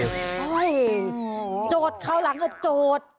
เฮ้ยโจทย์เข้าหลังเถอะโจทย์